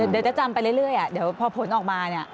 เดี๋ยวจะจำไปเรื่อยเดี๋ยวพอผลออกมาเนี่ย